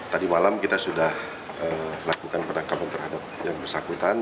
tadi malam kita sudah lakukan penangkapan terhadap yang bersangkutan